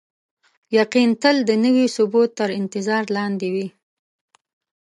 یقین تل د نوي ثبوت تر انتظار لاندې وي.